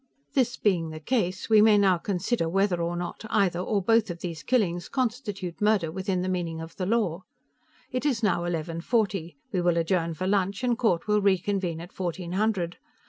This being the case, we may now consider whether or not either or both of these killings constitute murder within the meaning of the law. It is now eleven forty. We will adjourn for lunch, and court will reconvene at fourteen hundred.